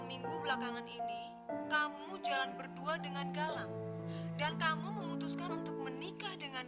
minggu belakangan ini kamu jalan berdua dengan galang dan kamu memutuskan untuk menikah dengan